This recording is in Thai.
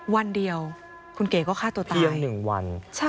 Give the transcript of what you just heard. วันเดียวคุณเก๋ก็ฆ่าตัวตายเพียง๑วัน